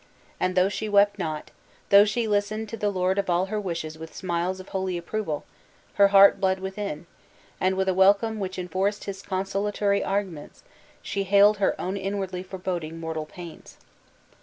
and though she wept not, though she listened to the lord of all her wishes with smiles of holy approval, her heart bled within; and, with a welcome which enforced his consolatory arguments, she hailed her own inwardly foreboding mortal pains.